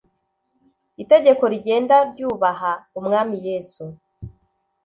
itegeko rigenda ryubaha umwami yesu